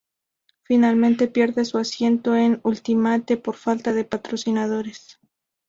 Finalmente pierde su asiento en Ultimate por falta de patrocinadores.